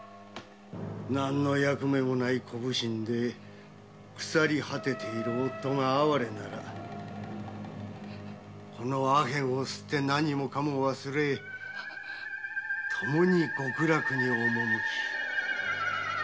何の役目もない小普請で腐り果てている夫が哀れならこのアヘンを吸って何もかも忘れともに極楽に赴き乱れに乱れてわしを楽しませい。